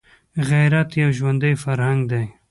غیرت یو ژوندی فرهنګ دی